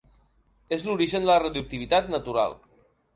És l'origen de la radioactivitat natural.